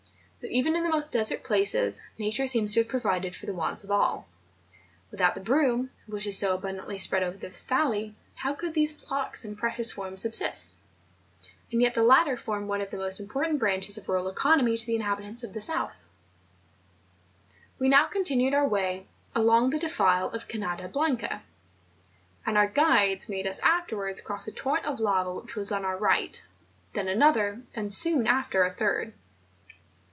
So, even in the most desert places. Nature seems to have provided for the wants of all. With¬ out the broom, which is so abundantly spread over this valley, how could these flocks and precious swarms subsist ? and yet the latter form one of the most important branches of rural economy to the inhabitants of the south. THE PEAK OF TEXERIFFE. 265 We now continued our way along the defile of Canada Blanca; and our guides made us after¬ wards cross a torrent of lava which was on our right, then another, and soon after a third.